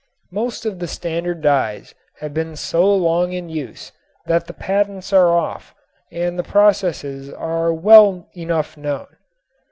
Most of the standard dyes have been so long in use that the patents are off and the processes are well enough known.